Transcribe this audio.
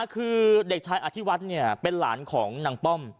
คือเด็กชายอธิวัฒน์เป็นหลานของนางป้อม